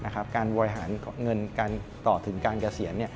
การบริหารเงินการต่อถึงการเกษียณ